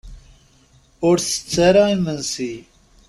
Ur ttett ara imensi?